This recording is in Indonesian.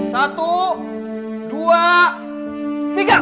satu dua tiga